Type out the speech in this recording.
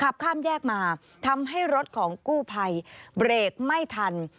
ขับข้ามแยกมาทำให้รถของกู้ภัยเบรกไม่ทัน